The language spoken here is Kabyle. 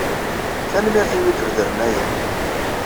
Tanemmirt imi ay d-tbedrem aya.